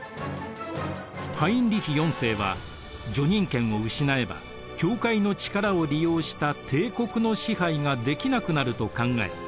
ハインリヒ４世は叙任権を失えば教会の力を利用した帝国の支配ができなくなると考え